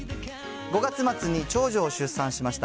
５月末に長女を出産しました。